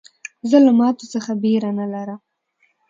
زه له ماتو څخه بېره نه لرم.